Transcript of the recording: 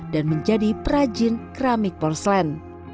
dan menjadi perajin keramik porselen